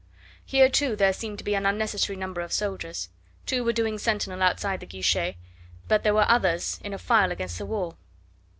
Here, too, there seemed to be an unnecessary number of soldiers: two were doing sentinel outside the guichet, but there were others in a file against the wall.